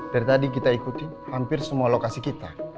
dari tadi kita ikuti hampir semua lokasi kita